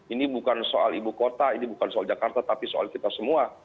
ini bukan soal ibu kota ini bukan soal jakarta tapi soal kita semua